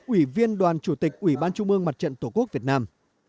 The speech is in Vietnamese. ủy viên đoàn chủ tịch ủy ban trung ương mặt trận tổ quốc việt nam